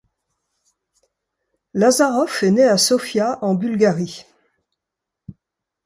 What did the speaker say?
Lazarov est né à Sofia en Bulgarie.